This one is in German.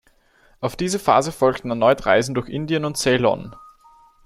Auf diese Phase folgten erneut Reisen durch Indien und Ceylon.